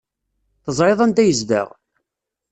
Teẓriḍ anda yezdeɣ?